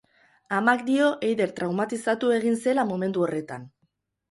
Amak dio Eider traumatizatu egin zela momentu horretan.